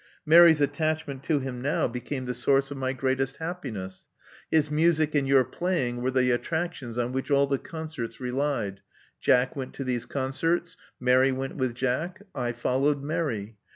Mary's attach ment to him now became the source of my greatest happiness. His music and your playing were the attractions on which all the concerts relied. Jack went to these concerts: Mary went with Jack: I followed Mary.